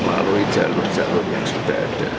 melalui jalur jalur yang sudah ada